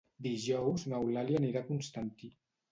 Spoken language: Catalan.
Dijous n'Eulàlia anirà a Constantí.